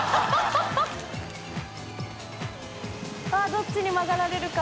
どっちに曲がられるか。